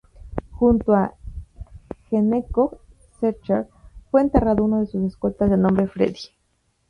Junto a Gnecco Cerchar fue enterrado uno de sus escoltas de nombre Freddy.